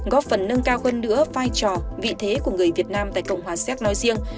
góp phần nâng cao hơn nữa vai trò vị thế của người việt nam tại cộng hòa séc nói riêng